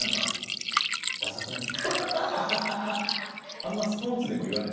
あんまスポーツでも言わない。